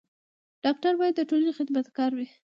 ډاکټر بايد د ټولني خدمت ګار وي.